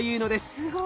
すごい！